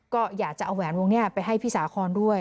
ก็อยากจะเอาแหวนวงนี้ไปให้พี่สาคอนด้วย